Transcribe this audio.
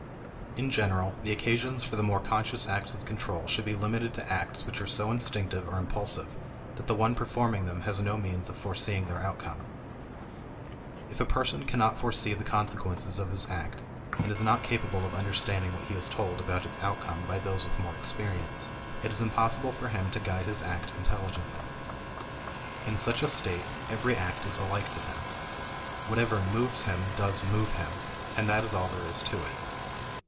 In general, the occasion for the more conscious acts of control should be limited to acts which are so instinctive or impulsive that the one performing them has no means of foreseeing their outcome. If a person cannot foresee the consequences of his act, and is not capable of understanding what he is told about its outcome by those with more experience, it is impossible for him to guide his act intelligently. In such a state, every act is alike to him. Whatever moves him does move him, and that is all there is to it.